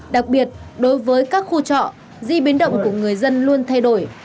đặc biệt đối với các khu trọ di biến động của người dân luôn thay đổi